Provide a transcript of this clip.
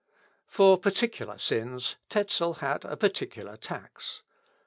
For particular sins, Tezel had a particular tax.